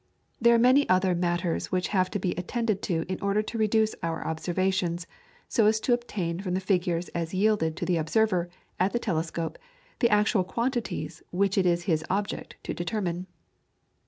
There are also many other matters which have to be attended to in order to reduce our observations so as to obtain from the figures as yielded to the observer at the telescope the actual quantities which it is his object to determine.